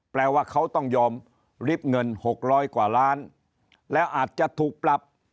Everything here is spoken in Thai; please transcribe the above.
แปลว่าเขาต้องยอมริบเงิน๖๐๐กว่าล้านแล้วอาจจะถูกปรับ